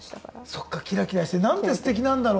そっかキラキラしてなんてすてきなんだろう！